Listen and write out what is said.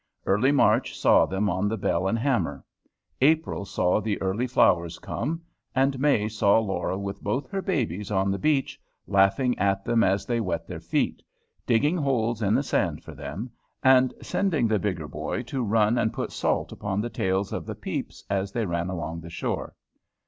Early March saw them on the Bell and Hammer. April saw the early flowers come, and May saw Laura with both her babies on the beach, laughing at them as they wet their feet, digging holes in the sand for them, and sending the bigger boy to run and put salt upon the tails of the peeps as they ran along the shore.